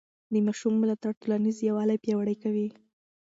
د ماشوم ملاتړ ټولنیز یووالی پیاوړی کوي.